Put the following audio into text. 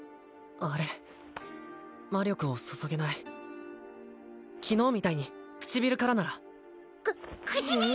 あれ魔力を注げない昨日みたいに唇からならく唇！？